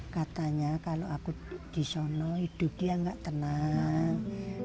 katanya kalau aku di sana hidupnya tidak tenang